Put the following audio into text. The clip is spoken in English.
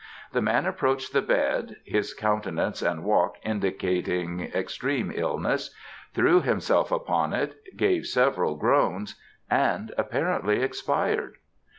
The man approached the bed (his countenance and walk indicating extreme illness), threw himself upon it, gave several groans and apparantly expired.